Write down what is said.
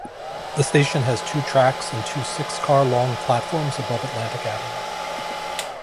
The station has two tracks and two six-car-long side platforms above Atlantic Avenue.